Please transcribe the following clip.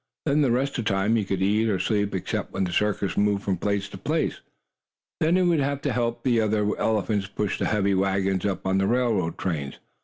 The rest of the time he could eat or sleep, except when the circus moved from place to place. Then he would have to help the other elephants push the heavy wagons up on the railroad trains.